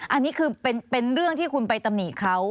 อันนี้คือเป็นเรื่องที่คุณไปตำหนิเขา